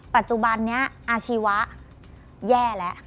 ปัจจุบันนี้อาชีวะแย่แล้ว